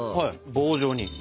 棒状に。